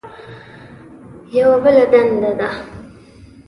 یوه بله دنده ده.